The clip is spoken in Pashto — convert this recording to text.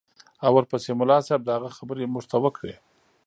او ورپسې ملا صاحب د هغه خبرې موږ ته وکړې.